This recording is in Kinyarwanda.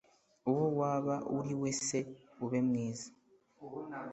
uwo waba uriwese, ube mwiza